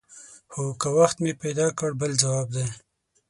هو که وخت مې پیدا کړ بل ځواب دی.